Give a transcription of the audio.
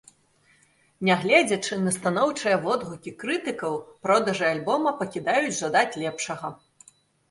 Нягледзячы на станоўчыя водгукі крытыкаў, продажы альбома пакідаюць жадаць лепшага.